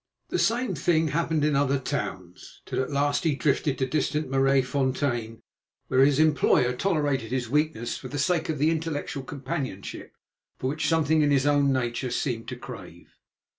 The same thing happened in other towns, till at last he drifted to distant Maraisfontein, where his employer tolerated his weakness for the sake of the intellectual companionship for which something in his own nature seemed to crave.